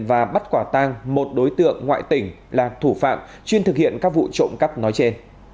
và bắt quả tang một đối tượng ngoại tỉnh là thủ phạm chuyên thực hiện các vụ trộm cắp nói trên